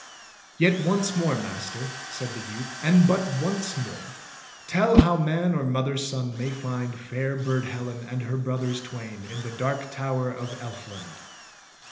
"Yet once more, Master," said the youth, "and but once more, tell how man or mother's son may find fair Burd Helen and her brothers twain in the Dark Tower of Elfland."